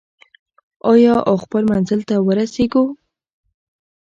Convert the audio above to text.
آیا او خپل منزل ته ورسیږو؟